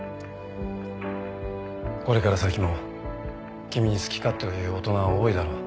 これから先も君に好き勝手を言う大人は多いだろう。